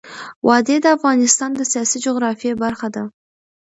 وادي د افغانستان د سیاسي جغرافیه برخه ده.